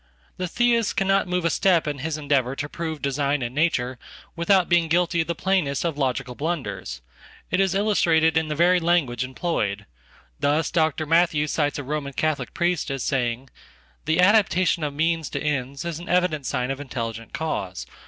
The Theist cannot move a step in his endeavor to prove designin nature without being guilty of the plainest of logical blunders.It is illustrated in the very language employed. Thus, Dr. Matthewscites a Roman Catholic priest as saying, "The adaptation of meansto ends is an evident sign of an intelligent cause.